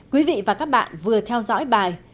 quý vị và các bạn vừa theo dõi bài